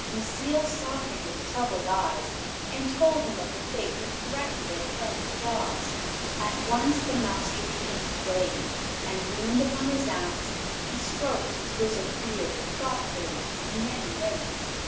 Necile sought him with troubled eyes and told him of the fate that threatened their friend Claus. At once the Master became grave, and he leaned upon his ax and stroked his grizzled beard thoughtfully for many minutes.